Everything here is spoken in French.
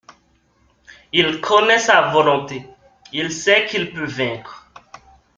Il connait sa volonté, il sait qu’il peut vaincre.